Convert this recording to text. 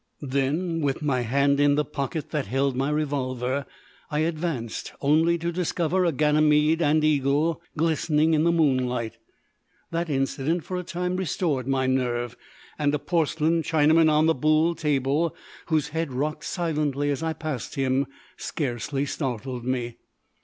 Then, with my hand in the pocket that held my revolver, I advanced, only to discover a Ganymede and Eagle glistening in the moonlight. That incident for a time restored my nerve, and a porcelain Chinaman on a buhl table, whose head rocked silently as I passed him, scarcely startled me.